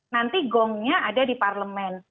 nanti gongnya ada di parlemen